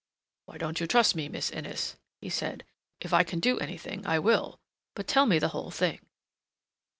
"Why don't you trust me, Miss Innes?" he said. "If I can do anything I will. But tell me the whole thing."